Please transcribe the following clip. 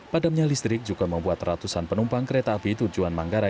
padamnya listrik juga membuat ratusan penumpang kereta api tujuan manggarai